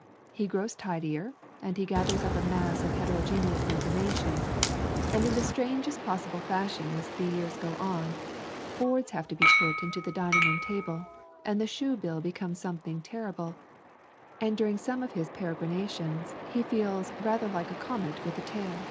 He grows tidier, and he gathers up a mass of heterogeneous information, and in the strangest possible fashion as the years go on, boards have to be put into the dining room table, and the shoe bill becomes something terrible, and during some of his peregrinations he feels rather like a comet with a tail.